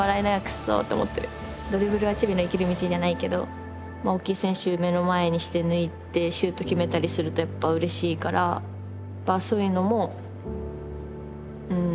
「ドリブルはチビの生きる道」じゃないけど大きい選手目の前にして抜いてシュート決めたりするとやっぱうれしいからそういうのも楽しめてた。